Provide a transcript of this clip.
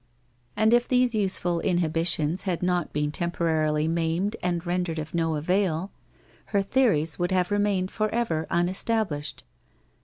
And if these useful inhibitions had not been temporarily maimed and rendered of no avail, her theories would have remained forever unestablished.